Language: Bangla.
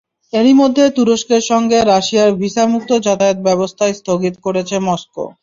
এরই মধ্যে তুরস্কের সঙ্গে রাশিয়ার ভিসা মুক্ত যাতায়াত ব্যবস্থা স্থগিত করেছে মস্কো।